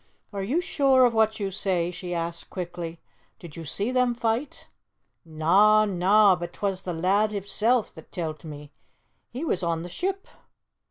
"Are you sure of what you say?" she asked quickly; "did you see them fight?" "Na, na, but 'twas the lad himsel' that tell't me. He was on the ship."